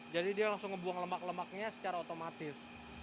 jadi dia langsung membuang lemak lemaknya secara otomatis